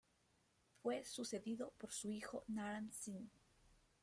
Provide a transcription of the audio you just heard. Fue sucedido por su hijo Naram-Sin.